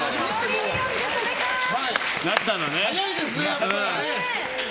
早いですね、やっぱりね。